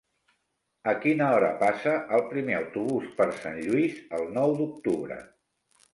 A quina hora passa el primer autobús per Sant Lluís el nou d'octubre?